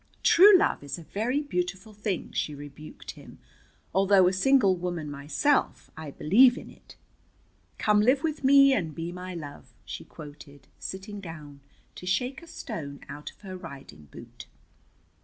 "True love is a very beautiful thing," she rebuked him. "Although a single woman myself, I believe in it. 'Come live with me and be my love,'" she quoted, sitting down to shake a stone out of her riding boot.